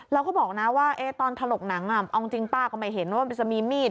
แล้วก็บอกนะว่าตอนถลกหนังเอาจริงป้าก็ไม่เห็นว่ามันจะมีมีด